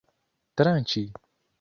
tranĉi